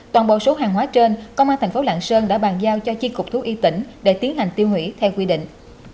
toàn bộ số hàng hóa trên công an thành phố lạng sơn đã bàn giao cho chiếc cục thú y tỉnh để tiến hành tiêu hủy theo quy định